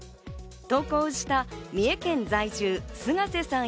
投稿した三重県在住・菅瀬さん